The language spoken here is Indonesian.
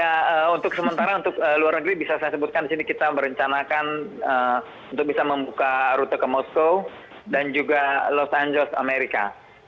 ya untuk sementara untuk luar negeri bisa saya sebutkan di sini kita merencanakan untuk bisa membuka rute ke moskow dan juga los angeles amerika